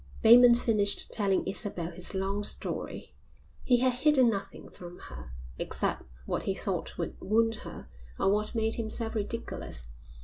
Bateman finished telling Isabel his long story. He had hidden nothing from her except what he thought would wound her or what made himself ridiculous.